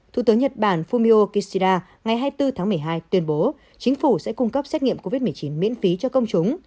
thủ tướng nhật bản fumio kishida ngày hai mươi bốn tháng một mươi hai tuyên bố chính phủ sẽ cung cấp xét nghiệm covid một mươi chín miễn phí cho công chúng